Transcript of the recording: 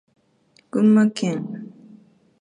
群馬県神流町